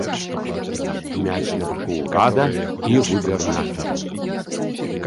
Мяч на баку ўрада і губернатараў.